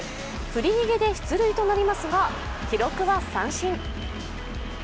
振り逃げで出塁となりますが記録は三振。